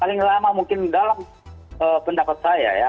paling lama mungkin dalam pendapat saya ya